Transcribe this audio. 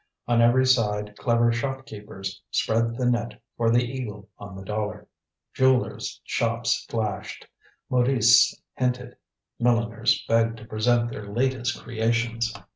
On every side clever shopkeepers spread the net for the eagle on the dollar. Jewelers' shops flashed, modistes hinted, milliners begged to present their latest creations.